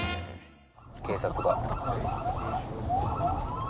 警察が。